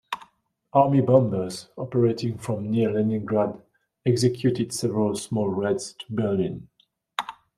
Army bombers, operating from near Leningrad, executed several small raids to Berlin.